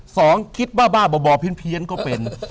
สองคิดว่าบ้าบ่อเพี้ยนก็เป็น